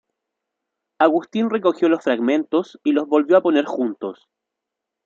Agustín recogió los fragmentos y los volvió a poner juntos.